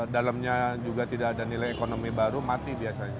dalamnya juga tidak ada nilai ekonomi baru mati biasanya